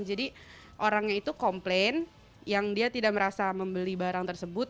jadi orangnya itu komplain yang dia tidak merasa membeli barang tersebut